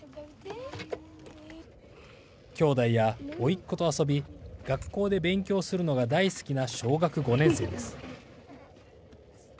きょうだいやおいっ子と遊び学校で勉強するのが大好きな小学５年生です。